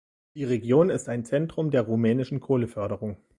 Die Region ist ein Zentrum der rumänischen Kohleförderung.